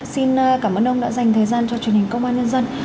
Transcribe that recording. xin cảm ơn ông đã dành thời gian cho truyền hình công an nhân dân